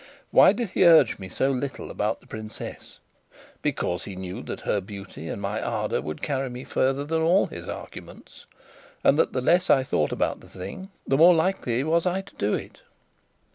Why did he urge me so little about the princess? Because he knew that her beauty and my ardour would carry me further than all his arguments and that the less I thought about the thing, the more likely was I to do it.